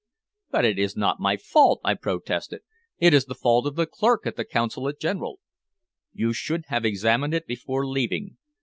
"But it is not my fault," I protested. "It is the fault of the clerk at the Consulate General." "You should have examined it before leaving.